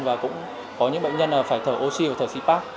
và cũng có những bệnh nhân là phải thở oxy và thở cpac